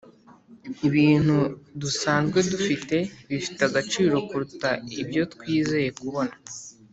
ibintu dusanzwe dufite bifite agaciro kuruta ibyo twizeye kubona.